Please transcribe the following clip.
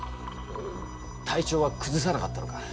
体調はくずさなかったのか？